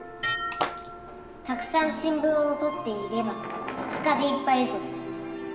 たくさん新聞を取っていれば２日でいっぱいぞ。